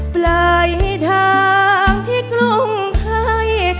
ปลายทางที่กรุงไทย